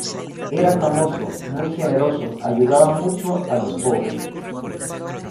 Era famoso, muy generoso, ayudaba mucho a los pobres.